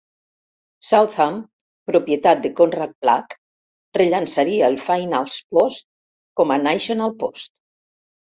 Southam, propietat de Conrad Black, rellançaria el "Financial Post" com a "National Post".